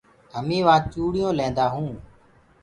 همينٚ وهآنٚ چوڙيو ليندآ هونٚ۔